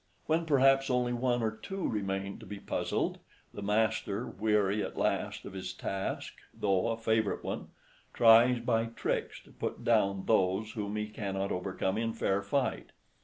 When perhaps only one or two remain to be puzzled, the master, weary at last of his task, though a favorite one, tries by tricks to put down those whom he cannot overcome in fair fight.